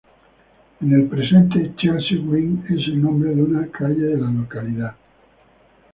En el presente, Chelsea Green es el nombre de una calle de la localidad.